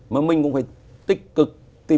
mà mình cũng phải tích cực